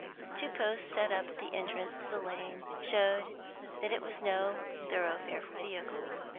Two posts set up at the entrance to the Lane showed that it was no thoroughfare for vehicles.